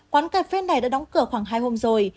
quán cà phê này đã đóng cửa khoảng hai hôm rồi